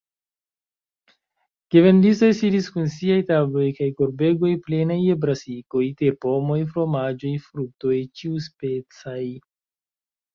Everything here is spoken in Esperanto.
Gevendistoj sidis kun siaj tabloj kaj korbegoj plenaj je brasikoj, terpomoj, fromaĝoj, fruktoj ĉiuspecaj.